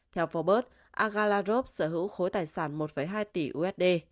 theo forbes agalarov sở hữu khối tài sản một hai tỷ usd